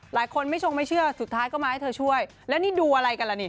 หลายคนไม่ชงไม่เชื่อสุดท้ายก็มาให้เธอช่วยแล้วนี่ดูอะไรกันล่ะนี่